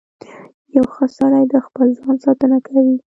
• یو ښه سړی د خپل ځان ساتنه کوي.